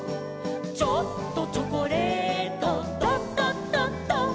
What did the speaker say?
「ちょっとチョコレート」「ドドドド」